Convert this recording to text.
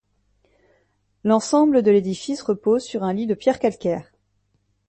L'ensemble de l'édifice repose sur un lit de pierre calcaire.